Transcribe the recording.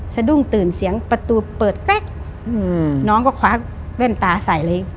สะดุ้งตื่นเสียงประตูเปิดแก๊กน้องก็คว้าแว่นตาใส่เลย